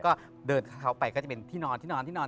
ก็เดินเข้าไปก็จะเป็นที่นอน